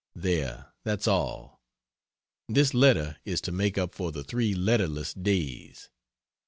There that's all. This letter is to make up for the three letterless days.